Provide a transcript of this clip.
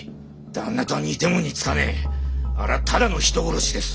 旦那とは似ても似つかねえあれはただの人殺しです。